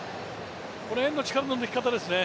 この辺の力の抜き方ですね。